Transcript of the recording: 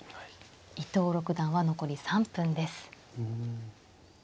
伊藤六段は残り３分です。